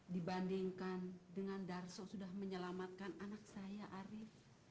dibandingkan dengan darso sudah menyelamatkan anak saya arief